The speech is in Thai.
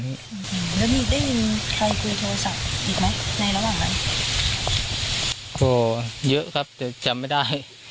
มีใครคุยโทรศัพท์อีก๑๒๐๐เยอะครับแต่จำไม่ได้